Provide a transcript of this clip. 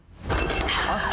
あっ！